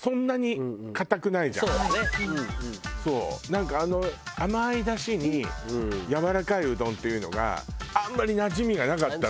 なんかあの甘い出汁にやわらかいうどんっていうのがあんまりなじみがなかったのよ。